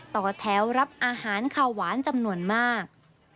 ต่อแถวรับอาหารข้าวหวานจำนวนมาก